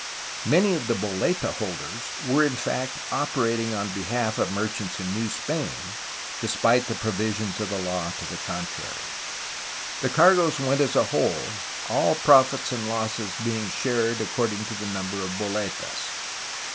Many of the holeta holders were in fact operating on behalf of merchants in New Spain, despite the provisions of the law to the contrary. The cargoes went as a whole, all profits and losses being shared according to the number of holetas.